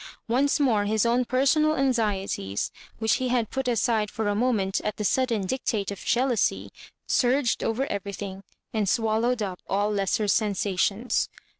Once more his own personal anxieties, ' which he had put aside for a moment at the sud ' den dictate of jealousy, surged over everything, and swallowed up all lesser sensations.